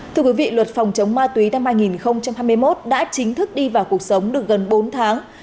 thưa quý vị luật phòng chống ma túy năm hai nghìn hai mươi một đã chính thức đi vào cuộc sống được gần bốn tháng